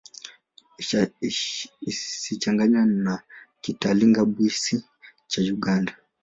Isichanganywe na Kitalinga-Bwisi cha Uganda.